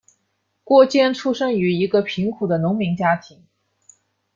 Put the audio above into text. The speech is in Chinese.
郭坚出生于一个贫苦的农民家庭。